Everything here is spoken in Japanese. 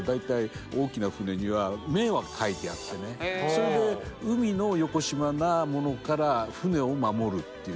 それで海のよこしまなものから船を守るっていう。